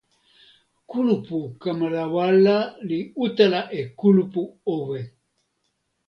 kulupu kamalawala li utala e kulupu owe.